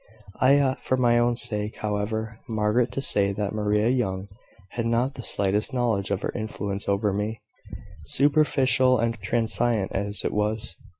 "I ought, for my own sake, however, Margaret, to say that Maria Young had not the slightest knowledge of her influence over me superficial and transient as it was.